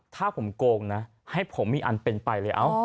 ถ้าผมโกงนะให้ผมมีอันเป็นไปเลย